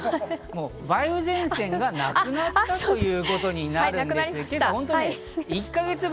梅雨前線がなくなったということになりました。